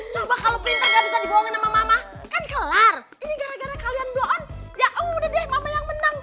coba kalau perintah gak bisa dibohongin sama mama kan kelar ini gara gara kalian blok on ya udah deh mama yang menang